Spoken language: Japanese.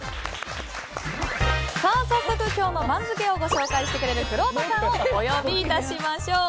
さあ、早速今日の番付を紹介してくれるくろうとさんをお呼び致しましょう。